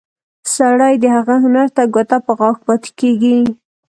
سړی د هغه هنر ته ګوته په غاښ پاتې کېږي.